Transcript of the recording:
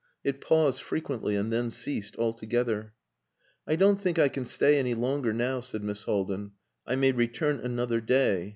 It paused frequently, and then ceased altogether. "I don't think I can stay any longer now," said Miss Haldin. "I may return another day."